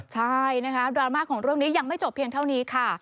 ใช่นะคะดราม่าของเรื่องนี้ยังไม่จบเพียงเท่านี้ค่ะ